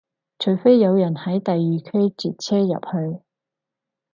除非有人喺第二區截車入去